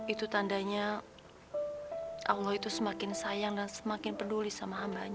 itu tandanya allah itu semakin sayang dan semakin peduli sama hambanya